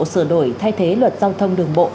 sửa đổi thay thế luật giao thông đường bộ